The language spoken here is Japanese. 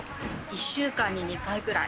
１週間に２回ぐらい。